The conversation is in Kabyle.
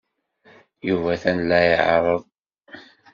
Yuba atan la iɛerreḍ